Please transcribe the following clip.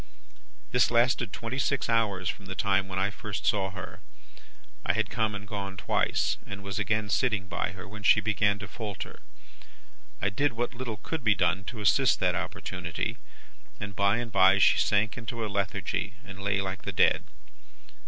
"This lasted twenty six hours from the time when I first saw her. I had come and gone twice, and was again sitting by her, when she began to falter. I did what little could be done to assist that opportunity, and by and bye she sank into a lethargy, and lay like the dead.